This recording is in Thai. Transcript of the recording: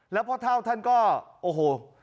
แล้วพ่อเท่าท่านก็โอ้โห